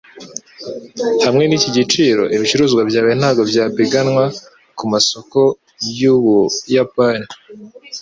Hamwe niki giciro, ibicuruzwa byawe ntabwo byapiganwa kumasoko yUbuyapani.